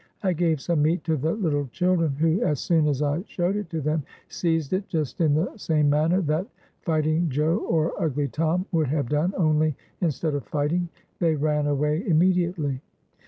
I gave some meat to the little children, who, as soon as I showed it to them, seized it just in the same manner that Fighting Joe or Ugly Tom would have done, only, instead of fighting, they ran away immedi ately.